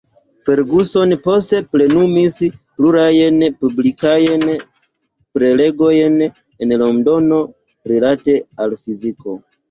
Ferguson poste plenumis plurajn publikajn prelegojn en Londono rilate al fiziko.